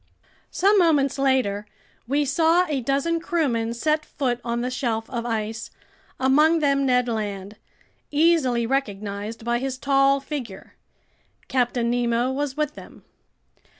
Some moments later, we saw a dozen crewmen set foot on the shelf of ice, among them Ned Land, easily recognized by his tall figure. Captain Nemo was with them.